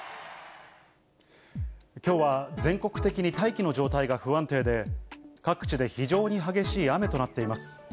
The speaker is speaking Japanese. きょうは全国的に大気の状態が不安定で、各地で非常に激しい雨となっています。